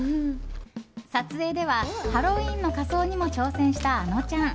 撮影ではハロウィーンの仮装にも挑戦した、あのちゃん。